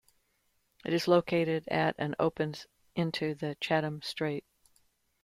It is located at and opens into the Chatham Strait.